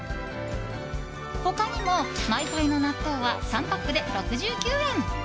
他にも、ｍｙｋａｉの納豆は３パックで６９円。